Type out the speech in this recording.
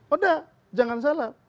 udah jangan salah